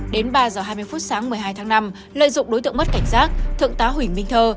đến ba h hai mươi phút sáng một mươi hai tháng năm lợi dụng đối tượng mất cảnh giác thượng tá huỳnh minh thơ